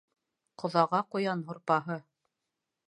Ҡоҙаға ҡуян һурпаһы